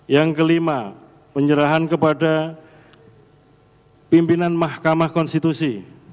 yang kelima penyerahan kepada pimpinan mahkamah konstitusi